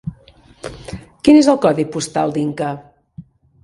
Quin és el codi postal d'Inca?